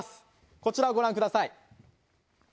こちらをご覧ください。